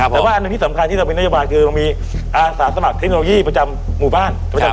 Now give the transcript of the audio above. แต่ว่าอันหนึ่งที่สำคัญที่เรามีนโยบายคือเรามีอาสาสมัครเทคโนโลยีประจำหมู่บ้าน